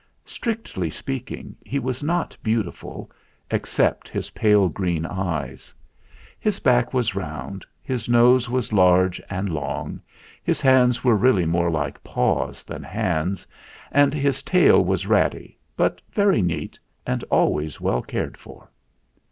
Strictly speaking, he was not beautiful, ex cept his pale green eyes. His back was round, his nose was large and long, his hands were really more like paws than hands, and his tail was ratty, but very neat and always well cared for.